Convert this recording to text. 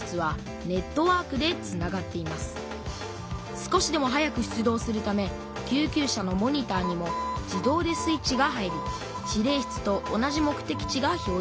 少しでも早く出動するため救急車のモニターにも自動でスイッチが入り指令室と同じ目的地が表じされます。